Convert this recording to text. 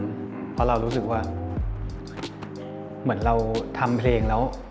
เพราะเรารู้สึกว่าเหมือนเราทำเพลงแล้ว